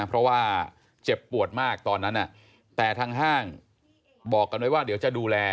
เพราะว่าเจ็บปวดมากตอนนั้นแต่ทางห้างบอกกันไว้ว่าเดี๋ยวจะดูแล